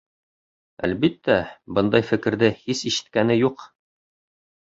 Әлбиттә, бындай фекерҙе һис ишеткәне юҡ.